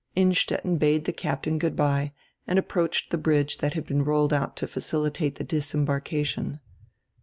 Innstetten bade die captain goodbye and approached die bridge diat had been rolled out to facilitate die disembarkation.